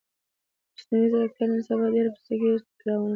مصنوعی ځیرکتیا نن سبا ډیره په چټکې روانه ده